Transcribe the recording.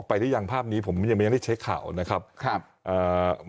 หรือยังภาพนี้ผมยังไม่ได้เช็คข่าวนะครับครับอ่า